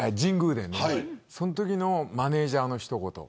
そのときのマネジャーの一言。